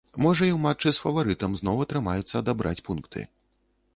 Можа, і ў матчы з фаварытам зноў атрымаецца адабраць пункты.